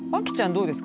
どうですか？